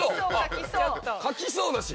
書きそうだし。